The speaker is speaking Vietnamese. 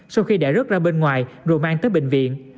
sau khi đã rớt ra bên ngoài rồi mang tới bệnh viện